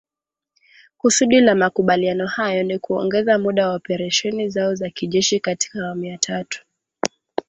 Kusudi la makubaliano haya ni kuongeza muda wa operesheni zao za kijeshi katika awamu ya tatu.